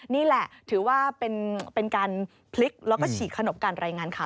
นี่แหละถือว่าเป็นการพลิกแล้วก็ฉีกขนบการรายงานข่าว